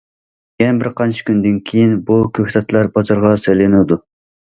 يەنە بىرقانچە كۈندىن كېيىن بۇ كۆكتاتلار بازارغا سېلىنىدۇ.